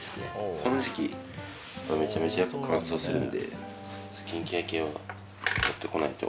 この時期、めちゃめちゃ乾燥するんで、スキンケア系は持ってこないと。